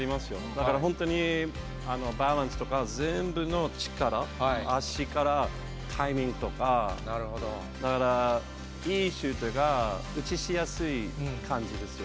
だから本当に、バランスとか、全部の力、足から、タイミングとか、だから、いいシュートが打ちしやすい感じですよ。